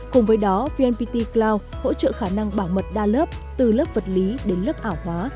cùng với đó vnpt cloud hỗ trợ khả năng bảo mật đa lớp từ lớp vật lý đến lớp ảo hóa